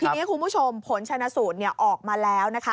ทีนี้คุณผู้ชมผลชนะสูตรออกมาแล้วนะคะ